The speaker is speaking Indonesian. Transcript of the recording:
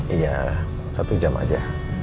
iya satu jam aja